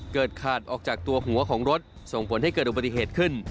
เกิดขาดออกจากตัวหัวของรถส่งผลให้เกิดอุบัติเหตุขึ้น